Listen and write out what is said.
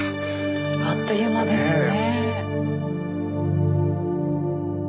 あっという間ですね。